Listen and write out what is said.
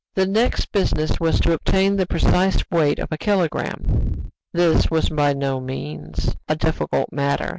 The next business was to obtain the precise weight of a kilogramme. This was by no means a difficult matter.